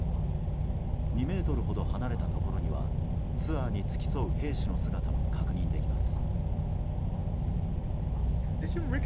２ｍほど離れたところにはツアーに付き添う兵士の姿も確認できます。